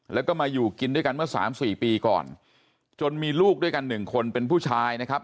แล้วก็มาอยู่กินด้วยกันเมื่อสามสี่ปีก่อนจนมีลูกด้วยกันหนึ่งคนเป็นผู้ชายนะครับ